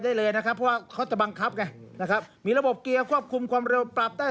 ได้เลยนะครับเพราะว่าเขาจะบังคับไงนะครับมีระบบเกียร์ควบคุมความเร็วปรับได้